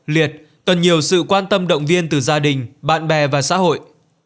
liệt cần nhiều sự quan tâm động viên từ gia đình bạn bè và xã hội